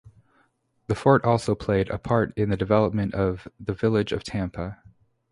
The fort also played a part in the development of the village of Tampa.